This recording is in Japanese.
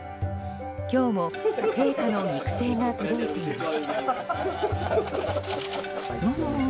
今日も陛下の肉声が届いています。